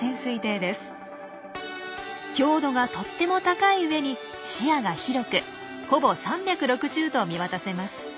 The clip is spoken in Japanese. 強度がとっても高い上に視野が広くほぼ３６０度見渡せます。